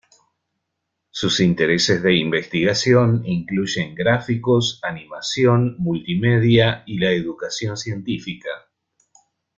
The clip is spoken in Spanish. Sus intereses de investigación incluyen gráficos, animación, multimedia, y la educación científica.